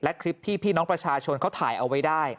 และคลิปที่พี่น้องประชาชนเขาถ่ายเอาไว้ได้